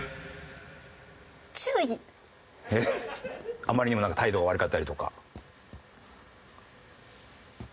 あまりにもなんか態度が悪かったりとか。